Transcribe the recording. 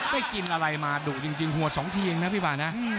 กินอะไรมาดุจริงหัว๒ทีเองนะพี่ป่านะ